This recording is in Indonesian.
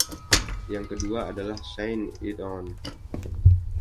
Yang kedua adalah "Shine It On".